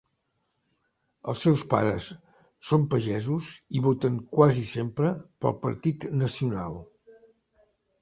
Els seus pares són pagesos i voten quasi sempre pel Partit Nacional.